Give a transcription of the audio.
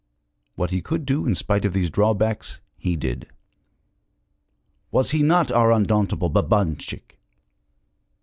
What he could do in spite of these drawbacks, he did. Was he not our undauntable Babanchik?